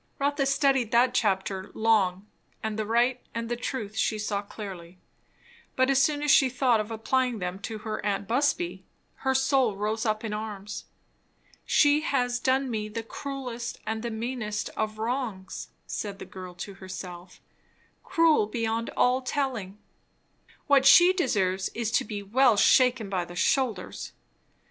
Rotha studied that chapter long. The right and the truth she saw clearly; but as soon as she thought of applying them to her aunt Busby, her soul rose up in arms. She has done me the cruelest and the meanest of wrongs, said the girl to herself; cruel beyond all telling; what she deserves is to be well shaken by the shoulders.